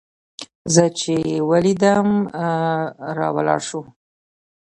زه چې يې وليدلم راولاړ سو.